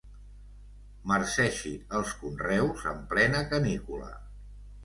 Marceixi els conreus en plena canícula.